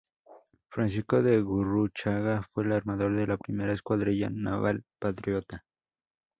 Francisco de Gurruchaga fue el armador de la primera escuadrilla naval Patriota.